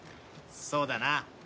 そうだな。